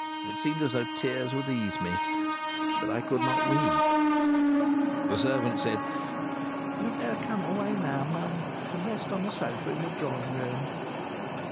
It seemed as though tears would ease me. But I could not weep. The servant said: "You'd better come away now, mum, and rest on the sofa in the drawing room."